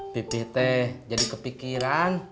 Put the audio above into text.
pipi teh jadi kepikiran